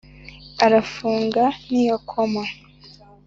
arafunga ntiyakoma